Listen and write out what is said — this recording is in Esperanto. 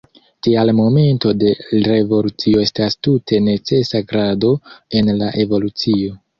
Tial momento de revolucio estas tute necesa grado en la evolucio.